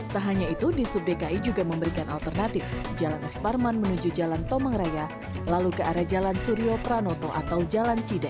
tak hanya itu di sub dki juga memberikan alternatif jalan es parman menuju jalan tomang raya lalu ke arah jalan suryo pranoto atau jalan cida